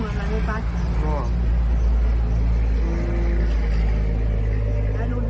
ะวะระยุบัตร